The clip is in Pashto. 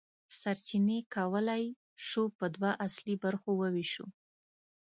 سرچینې کولی شو په دوه اصلي برخو وویشو.